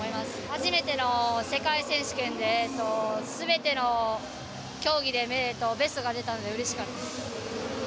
初めての世界選手権ですべての競技でベストが出たのでうれしかったです。